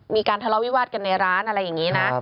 มีการทะเลาวิวาสกันในร้านอะไรอย่างนี้นะ